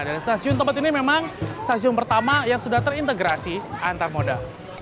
dan stasiun tempat ini memang stasiun pertama yang sudah terintegrasi antarmoda